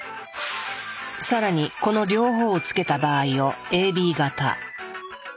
更にこの両方をつけた場合をＡＢ型。